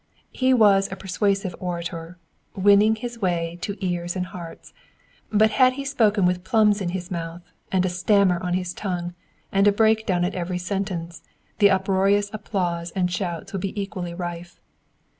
He was a persuasive orator, winning his way to ears and hearts; but had he spoken with plums in his mouth, and a stammer on his tongue, and a break down at every sentence, the uproarious applause and shouts would be equally rife.